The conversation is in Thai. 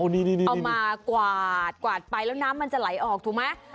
เอานี่นี่นี่เอามากวาดกวาดไปแล้วน้ำมันจะไหลออกถูกไหม